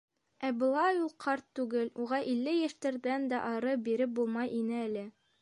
Ә былай ул ҡарт түгел, уға илле йәштәрҙән дә ары биреп булмай ине әле.